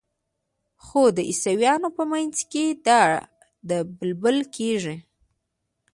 خو د عیسویانو په منځ کې دا د بلل کیږي.